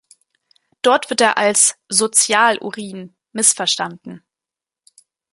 Dort wird er als „Sozial-Urin“ missverstanden.